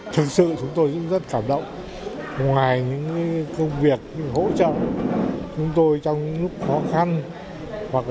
thật sự chúng tôi cũng rất cảm động ngoài những công việc những hỗ trợ chúng tôi trong lúc khó khăn hoặc